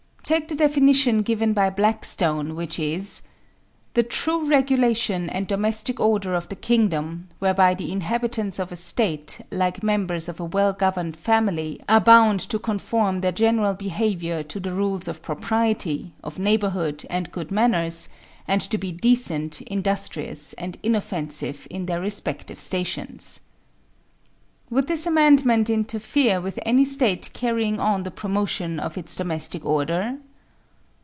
Take the definition given by Blackstone, which is: The due regulation and domestic order of the Kingdom, whereby the inhabitants of a State, like members of a well governed family, are bound to conform their general behavior to the rules of propriety, of neighborhood and good manners, and to be decent, industrious, and inoffensive in their respective stations. Would this amendment interfere with any State carrying on the promotion of its domestic order?